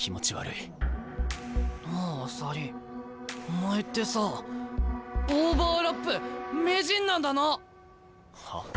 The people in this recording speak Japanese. お前ってさあオーバーラップ名人なんだな！は？